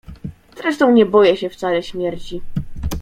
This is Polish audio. Zresztą nie boję się wcale śmierci.